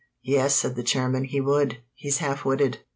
"Yes," said the chairman, "he would. He's half witted."